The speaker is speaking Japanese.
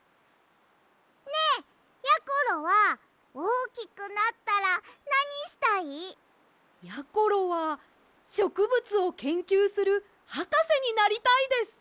ねえやころはおおきくなったらなにしたい？やころはしょくぶつをけんきゅうするはかせになりたいです。